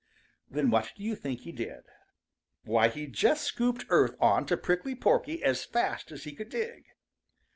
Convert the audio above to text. Then what do you think he did? Why, he just scooped earth on to Prickly Porky as fast as he could dig.